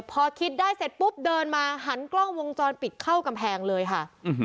พอคิดได้เสร็จปุ๊บเดินมาหันกล้องวงจรปิดเข้ากำแพงเลยค่ะ